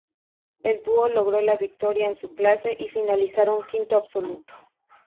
El dúo logró la victoria en su clase y finalizaron quinto absoluto.